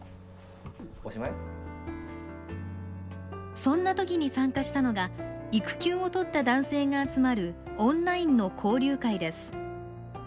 そんなときに参加したのが育休を取った男性が集まるオンラインの交流会です。